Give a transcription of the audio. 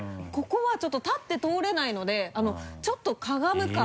ここはちょっと立って通れないのでちょっとかがむか。